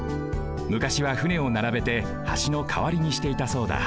むかしは船をならべて橋のかわりにしていたそうだ。